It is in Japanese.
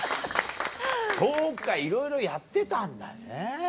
そうかいろいろやってたんだね。